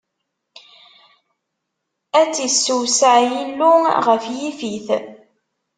Ad tt-issewseɛ Yillu ɣef Yifit!